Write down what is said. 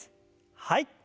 はい。